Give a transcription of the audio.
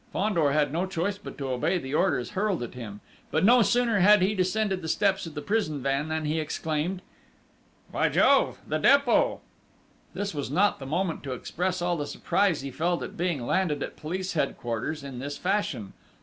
Fandor had no choice but to obey the orders hurled at him. But no sooner had he descended the steps of the prison van than he exclaimed: "By Jove! The Dépôt!" This was not the moment to express all the surprise he felt at being landed at Police Headquarters in this fashion....